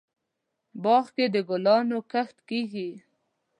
باغ کې دګلانو کښت کیږي